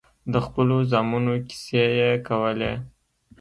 د خپلو زامنو کيسې يې کولې.